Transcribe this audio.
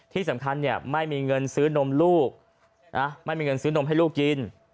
ที่สำคัญไม่มีเงินซื้อนมลูกไม่มีเงินซื้อนมให้ลูกกิน